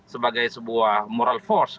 sebagai sebuah moral force